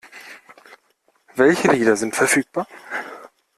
Welche Lieder sind verfügbar?